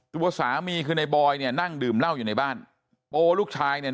ตัวสามีคือในบอยเนี่ยนั่งดื่มเหล้าอยู่ในบ้านโปลูกชายเนี่ย